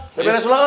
beberes ulang loe